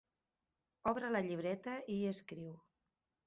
Obre la llibreta i hi escriu.